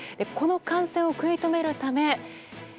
この感染を食い止めるため１３